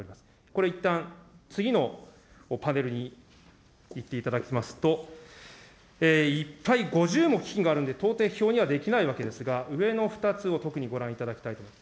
これ、いったん、次のパネルにいっていただきますと、いっぱい、５０も基金があるので、到底、表にはできないわけですが、上の２つを特にご覧いただきたいと。